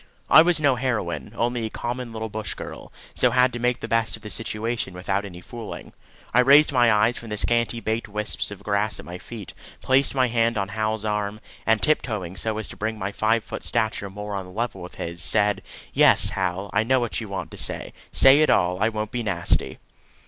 I was no heroine, only a common little bush girl, so had to make the best of the situation without any fooling. I raised my eyes from the scanty baked wisps of grass at my feet, placed my hand on Hal's arm, and tiptoeing so as to bring my five foot stature more on a level with his, said: "Yes, Hal, I know what you want to say. Say it all. I won't be nasty."